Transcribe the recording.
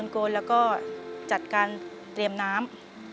โกนแล้วก็จัดการเตรียมน้ำ